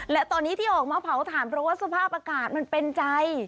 และตอนนี้ที่ออกมาเผาถ่านเพราะว่าสภาพอากาศมันเป็นใจ